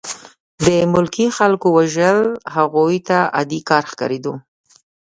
د ملکي خلکو وژل هغوی ته عادي کار ښکارېده